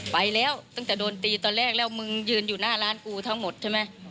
ไปแล้วตั้งแต่โดนตีตอนแรกแล้วมึงยืนอยู่หน้าร้านกูทั้งหมดใช่ไหม